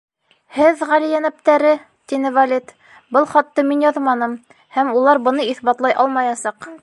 —Һеҙ Ғали Йәнәптәре, —тине Валет, —был хатты мин яҙманым, һәм улар быны иҫбатлай алмаясаҡ.